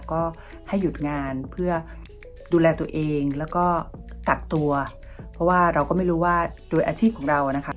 ก็ให้หยุดงานเพื่อดูแลตัวเองแล้วก็กักตัวเพราะว่าเราก็ไม่รู้ว่าโดยอาชีพของเรานะคะ